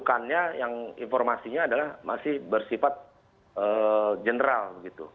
dan sehingga yang informasinya adalah masih bersifat general begitu